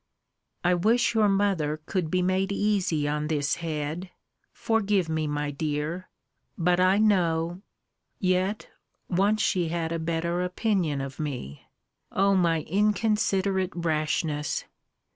I wish your mother could be made easy on this head forgive me, my dear, but I know Yet once she had a better opinion of me. O my inconsiderate rashness!